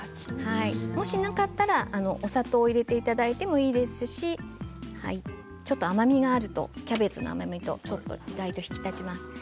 もしなかったらお砂糖を入れていただいてもいいですしちょっと甘みがあるとキャベツの甘みが引き立ちます。